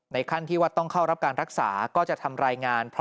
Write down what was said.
ขั้นที่ว่าต้องเข้ารับการรักษาก็จะทำรายงาน